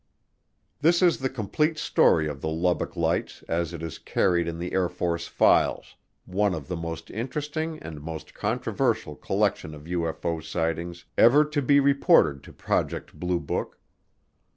This is the complete story of the Lubbock Lights as it is carried in the Air Force files, one of the most interesting and most controversial collection of UFO sightings ever to be reported to Project Blue Book.